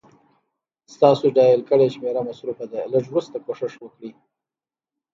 ستاسو ډائل کړې شمېره مصروفه ده، لږ وروسته کوشش وکړئ